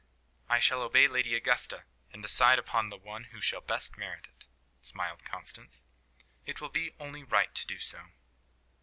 "I shall obey Lady Augusta, and decide upon the one who shall best merit it," smiled Constance. "It will be only right to do so."